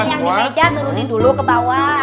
yang di meja turunin dulu ke bawah